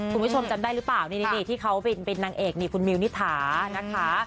คุณผู้ชมจำได้หรือเปล่านี่ที่เขาเป็นนางเอกนี่คุณมิวนิถานะคะ